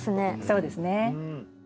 そうですね。